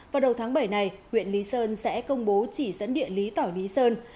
vào đầu tháng bảy này huyện lý sơn sẽ công bố chỉ dẫn địa lý tỏi lý sơn